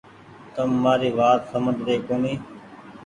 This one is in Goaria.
تم مآري وآت سمجه ري ڪونيٚ ۔